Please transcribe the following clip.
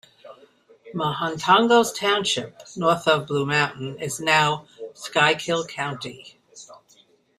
Mahantongo Township, north of Blue Mountain, is now Schuylkill County.